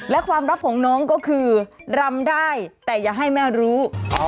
และความลับของน้องก็คือรำได้แต่อย่าให้แม่รู้